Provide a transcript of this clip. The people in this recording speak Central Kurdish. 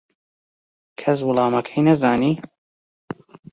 کەس وەڵامەکەی نەزانی.